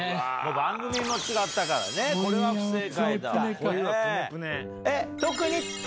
番組も違ったからこれは不正解。